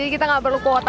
jadi kita nggak perlu kuat